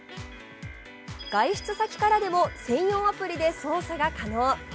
外出先からでも専用アプリで操作が可能。